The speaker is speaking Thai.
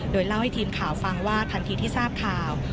โดยเล่าให้ทีมข่าวฟังว่าทันทีที่ทราบข่าว